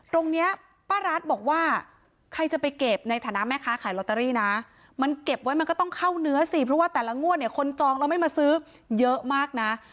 ตรงนี้ป้ารัฐบอกว่าใครจะไปเก็บในฐานะแม่ค้าขายลอตเตอรี่นะมันเก็บไว้มันก็ต้องเข้าเนื้อสิเพราะว่าแต่ละงวดเนี่ยคนจองเราไม่มาซื้อเยอะมากนะ